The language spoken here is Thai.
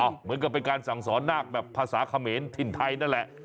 เหมือนกับเป็นการสั่งสอนนาคแบบภาษาเขมรถิ่นไทยนั่นแหละ